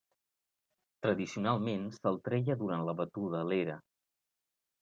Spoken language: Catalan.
Tradicionalment se'l treia durant la batuda a l'era.